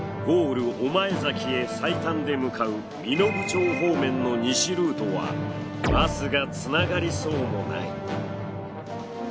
ゴール御前崎へ最短で向かう身延町方面の西ルートはバスがつながりそうもない。